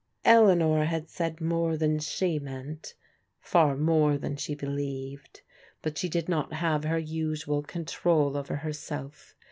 Eleanor had said more than she meant, far more than she believed. But she did not have her usual control over herself.